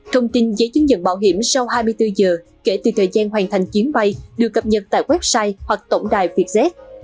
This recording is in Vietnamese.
thông tin giấy chứng nhận bảo hiểm sau hai mươi bốn giờ kể từ thời gian hoàn thành chuyến bay được cập nhật tại website hoặc tổng đài vietjet